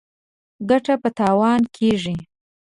ګټه په تاوان کېږي.